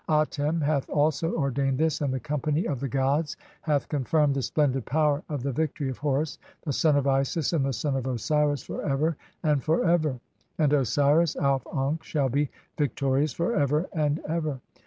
Atem hath [also] ordained this, and the company of the "gods hath confirmed the splendid power of the victory of Horus "the son of Isis and the son of Osiris for ever and (4) for ever. "And Osiris Auf ankh shall be victorious for ever and ever.